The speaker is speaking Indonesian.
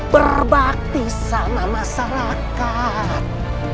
berbakti sama masyarakat